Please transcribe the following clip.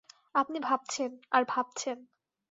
আপনি ভাবছেন, আর ভাবছেন?